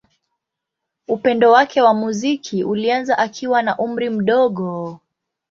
Upendo wake wa muziki ulianza akiwa na umri mdogo.